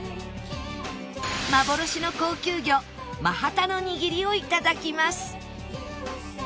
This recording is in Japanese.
幻の高級魚マハタの握りを頂きます